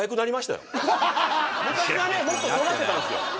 昔はねもっととがってたんですよ